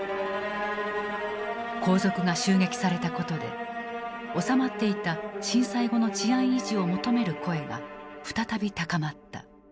皇族が襲撃されたことで収まっていた震災後の治安維持を求める声が再び高まった。